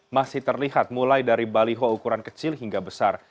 masih terlihat mulai dari baliho ukuran kecil hingga besar